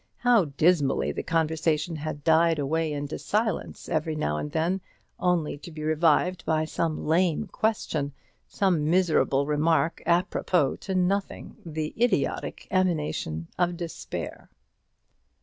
How dismally the conversation had died away into silence every now and then, only to be revived by some lame question, some miserable remark apropos to nothing, the idiotic emanation of despair!